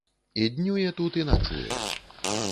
І днюе тут, і начуе.